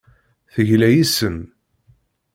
Tegla yes-m.